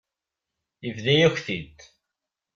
Yebḍa-yak-t-id.